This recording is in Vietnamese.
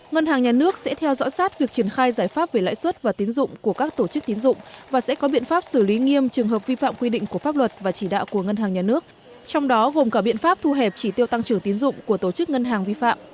ngân hàng nhà nước sẽ theo dõi sát việc triển khai giải pháp về lãi suất và tín dụng của các tổ chức tín dụng và sẽ có biện pháp xử lý nghiêm trường hợp vi phạm quy định của pháp luật và chỉ đạo của ngân hàng nhà nước trong đó gồm cả biện pháp thu hẹp chỉ tiêu tăng trưởng tiến dụng của tổ chức ngân hàng vi phạm